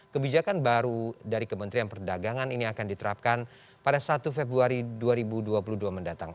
kebijakan baru dari kementerian perdagangan ini akan diterapkan pada satu februari dua ribu dua puluh dua mendatang